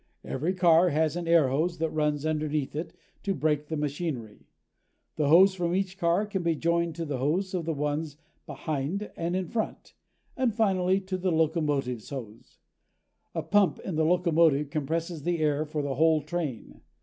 Every car has an air hose that runs underneath it to the brake machinery. The hose from each car can be joined to the hose on the ones behind and in front, and finally to the locomotive's hose. A pump in the locomotive compresses the air for the whole train.